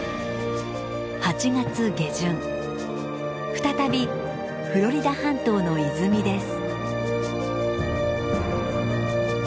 再びフロリダ半島の泉です。